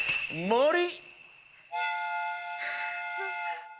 もり。